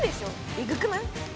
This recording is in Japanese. エグくない？